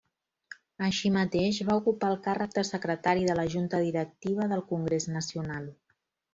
Així mateix, va ocupar el càrrec de Secretari de la Junta Directiva del Congrés Nacional.